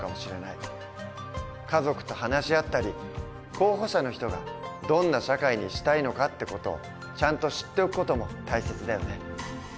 家族と話し合ったり候補者の人がどんな社会にしたいのかって事をちゃんと知っておく事も大切だよね。